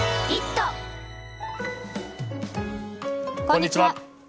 こんにちは。